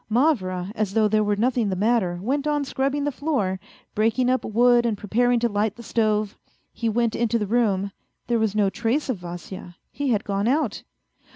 Mavra, as though there were nothing the matter, went on scrub bing the floor, breaking up wood and preparing to light the stove. He went into the room ; there was no trace of Vasya, he had gone out.